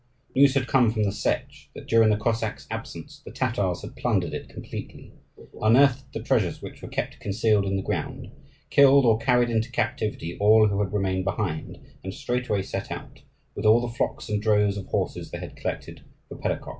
News had come from the Setch that during the Cossacks' absence the Tatars had plundered it completely, unearthed the treasures which were kept concealed in the ground, killed or carried into captivity all who had remained behind, and straightway set out, with all the flocks and droves of horses they had collected, for Perekop.